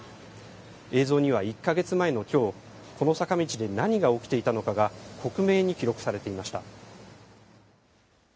映像には１か月前のきょう、この坂道で何が起きていたのかが克明に記録されていました。